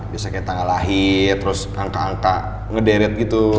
biasanya tanggal lahir terus angka angka ngederet gitu